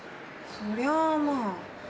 そりゃあまあ。